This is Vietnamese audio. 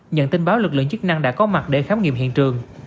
nhận tin báo lực lượng chức năng đã có mặt để khám nghiệm hiện trường